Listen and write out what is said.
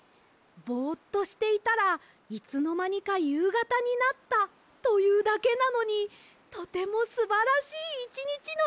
ぼっとしていたらいつのまにかゆうがたになったというだけなのにとてもすばらしいいちにちのようなきがしました！